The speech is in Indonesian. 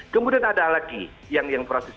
kemudian ada lagi yang proses